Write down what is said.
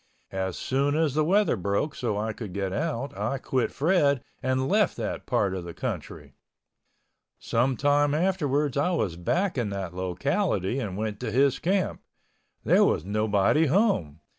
As soon as the weather broke so I could get out I quit Fred and left that part of the country. Some time afterwards I was back in that locality and went to his camp. There was nobody home.